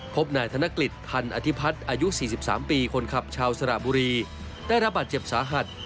พบนายธนกฤษพันธ์อธิพัฒน์อายุ๔๓ปีคนขับชาวสระบุรีได้รับบาดเจ็บสาหัส